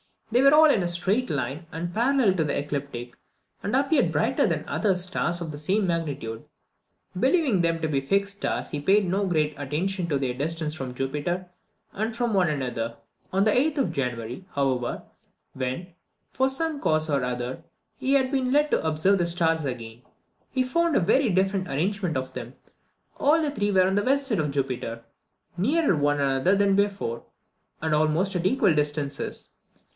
They were all in a straight line, and parallel to the ecliptic, and appeared brighter than other stars of the same magnitude. Believing them to be fixed stars, he paid no great attention to their distances from Jupiter and from one another. On the 8th of January, however, when, from some cause or other, he had been led to observe the stars again, he found a very different arrangement of them: all the three were on the west side of Jupiter, nearer one another than before, and almost at equal distances.